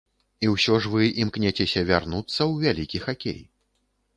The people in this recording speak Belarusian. І ўсё ж вы імкнецеся вярнуцца ў вялікі хакей.